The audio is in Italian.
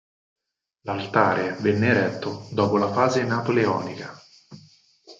L'altare venne retto dopo la fase napoleonica.